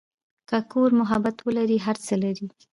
که کور محبت ولري، هر څه لري.